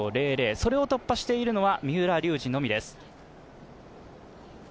それを突破しているのは三浦龍司のみです。